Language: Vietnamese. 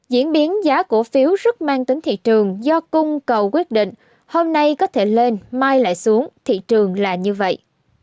diễn biến giá cổ phiếu rất mang tính thị trường do cung cầu quyết định hôm nay có thể lên mai lại xuống thị trường là như vậy